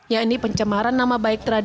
yakni pencemaran nama baik tradisi